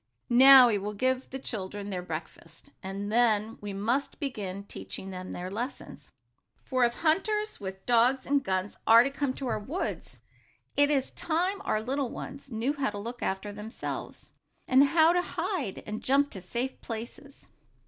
"Now we will give the children their breakfast, and then we must begin teaching them their lessons. For if hunters, with dogs and guns, are to come to our woods, it is time our little ones knew how to look after themselves, and how to hide, and jump to safe places."